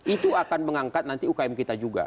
itu akan mengangkat nanti ukm kita juga